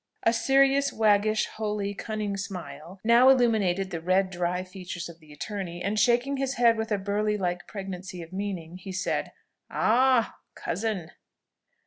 A serious, waggish, holy, cunning smile now illuminated the red, dry features of the attorney, and shaking his head with a Burleigh like pregnancy of meaning, he said, "Ah, cousin!"